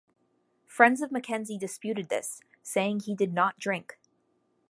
Friends of Mackenzie disputed this, saying he did not drink.